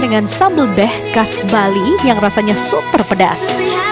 dengan sambal beh khas bali yang rasanya super pedas